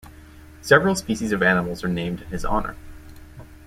Several species of animals are named in his honor.